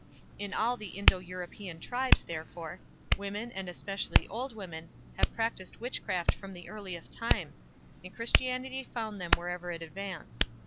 In all the Indo European tribes, therefore, women, and especially old women, have practised witchcraft from the earliest times, and Christianity found them wherever it advanced.